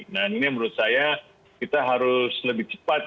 nah ini yang menurut saya kita harus lebih cepat